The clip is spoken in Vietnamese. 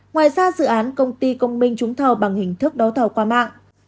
ngoài ra dự án công ty công minh trúng thầu bằng hình thức đấu thầu qua mạng